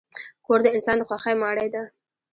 کور د انسان د خوښۍ ماڼۍ ده.